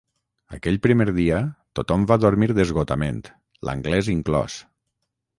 Aquell primer dia, tothom va dormir d'esgotament, l'anglès inclòs.